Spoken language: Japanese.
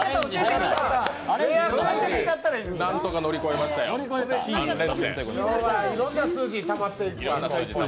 何とか乗り越えましたよ、３連戦。